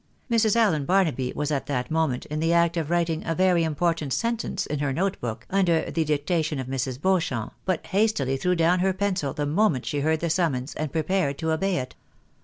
ilrs. Allen Barnaby was at that moment in the act of writing a very important sentence in her note book, under the dictation of Mrs. Beauchamp, but hastily threw down her pencil the moment she heard the summons, and prepared to obey it.